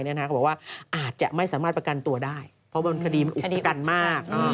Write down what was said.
เขาบอกว่าอาจจะไม่สามารถประกันตัวได้เพราะว่าคดีมันอุกชะกันมาก